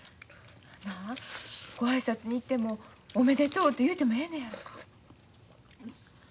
なあご挨拶に行ってもおめでとうと言うてもええのやろか。